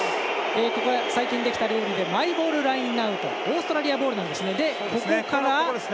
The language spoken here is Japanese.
最近できたルールでマイボールラインアウトオーストラリアボールで。